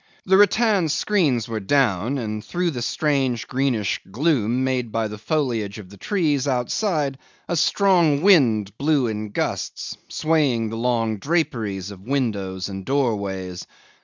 The rattan screens were down, and through the strange greenish gloom made by the foliage of the trees outside a strong wind blew in gusts, swaying the long draperies of windows and doorways.